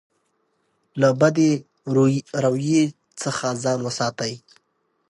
له بدې رویې څخه ځان وساتئ.